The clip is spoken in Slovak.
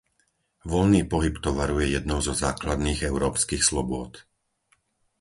Voľný pohyb tovaru je jednou zo základných európskych slobôd.